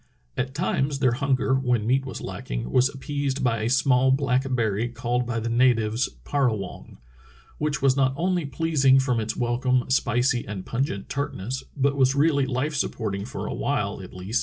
'* At times their hunger, when meat was lacking, was appeased by a small black berry called by the natives parazvofigy which was not only pleasing from its wel come spicy and pungent tartness, but was really life supporting for a while at least.